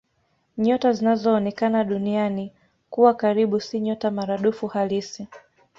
Nyota zinazoonekana Duniani kuwa karibu si nyota maradufu halisi.